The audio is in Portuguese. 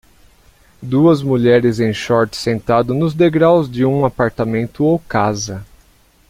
Duas mulheres em shorts sentado nos degraus de um apartamento ou casa.